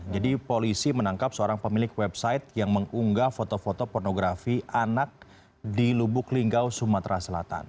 jadi polisi menangkap seorang pemilik website yang mengunggah foto foto pornografi anak di lubuk linggau sumatera selatan